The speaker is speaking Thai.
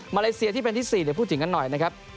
เลเซียที่เป็นที่๔เดี๋ยวพูดถึงกันหน่อยนะครับ